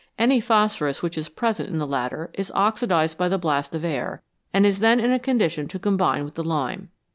Any phosphorus which is present in the latter is oxidised by the blast of air, and is then in a condition to combine with the lime.